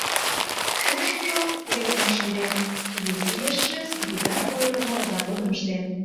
Шошымжо кевытым шынден, вес иешыже скипидар ойырымо заводым ыштен.